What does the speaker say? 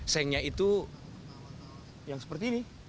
sengnya itu yang seperti ini